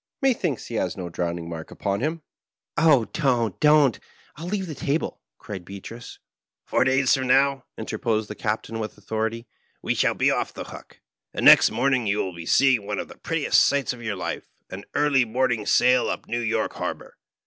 " ^Methinks he hath no drowning mark upon him.'" "Oh, don't, don't; I wiU leave the table!" cried Beatrice. "Four days from now," interposed the Captain with authority, "we shall be off the Hook, and next morning you will be seeing one of the prettiest sights of your life — an early morning sail up New York Harbor.